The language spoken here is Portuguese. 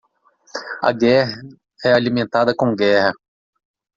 A guerra é alimentada com guerra.